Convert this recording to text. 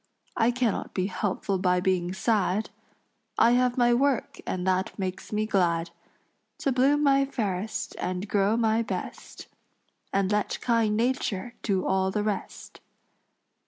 I cannot be helpful by being sad; I have my work and that makes me glad To bloom my fairest and grow my best, And let kind nature do all the rest."